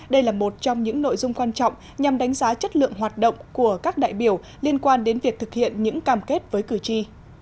đây là một trong những nội dung quan trọng nhằm đánh giá chất lượng hoạt động của các đại biểu liên quan đến việc thực hiện những cam kết với cử tri